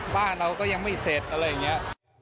บ้านเราก็ยังไม่เสร็จอะไรอย่างนี้